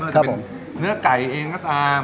ก็จะเป็นเนื้อไก่เองก็ตาม